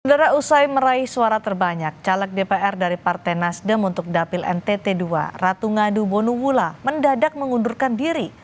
setelah usai meraih suara terbanyak caleg dpr dari partai nasdem untuk dapil ntt ii ratu ngadu bonula mendadak mengundurkan diri